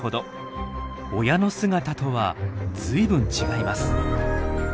親の姿とは随分違います。